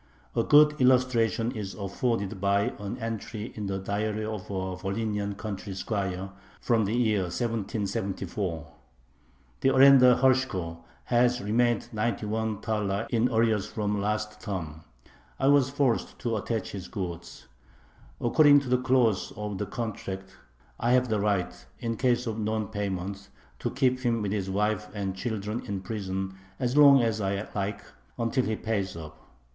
A good illustration is afforded by an entry in the diary of a Volhynian country squire, from the year 1774: The arendar Hershko has remained ninety one thaler in arrears from last term. I was forced to attach his goods. According to the clause of the contract I have the right, in case of non payment, to keep him with his wife and children in prison as long as I like, until he pays up.